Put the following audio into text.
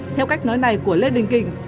theo cách nói này của lê đình kỳnh